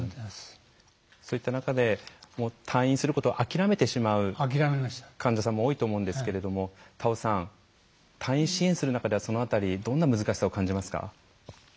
そういった中で退院することを諦めてしまう患者さんも多いと思うんですけれども田尾さん、退院を支援する中ではどんな難しさを感じますか？